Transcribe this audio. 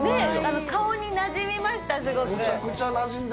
顔になじみました、すごく。